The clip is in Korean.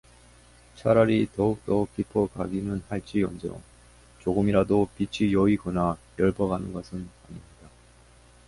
차라리 더욱더욱 깊어가기는 할지언정 조금이라도 빛이 여위거나 엷어가는 것은 아닙니다.